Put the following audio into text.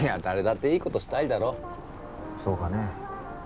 誰だっていいことしたいだろそうかね